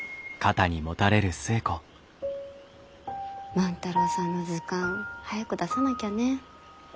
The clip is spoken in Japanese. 万太郎さんの図鑑早く出さなきゃね。